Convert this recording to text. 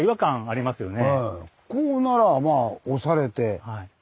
こうならまあ押されて。